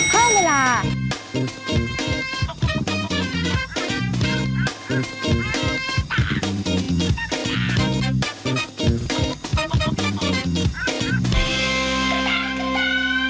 โปรดติดตามตอนต่อไป